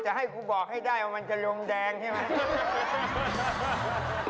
ให้กูบอกให้ได้ว่ามันจะลงแดงใช่ไหม